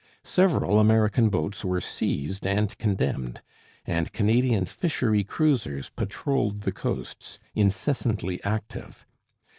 Several American boats were seized and condemned; and Canadian fishery cruisers patrolled the coasts, incessantly active.